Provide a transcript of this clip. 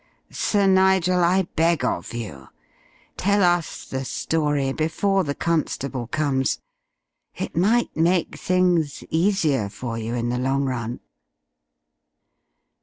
Sir Nigel, I beg of you, tell us the story before the constable comes. It might make things easier for you in the long run."